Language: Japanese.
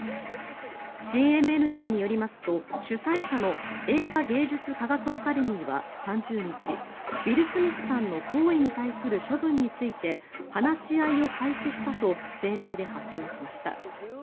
ＣＮＮなどによりますと主催者の映画芸術科学アカデミーは３０日、ウィル・スミスさんの行為に対する処分について話し合いを開始したと声明で発表しました。